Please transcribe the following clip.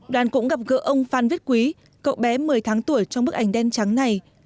đoàn cũng gặp gỡ ông phan viết quý một mươi tháng tuổi trong bức ảnh đen trắng này